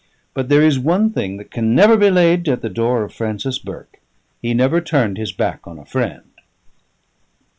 But there is one thing that can never be laid at the door of Francis Burke: he never turned his back on a friend....